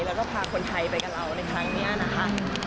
แล้วก็พาคนไทยไปกับเราในครั้งนี้นะคะ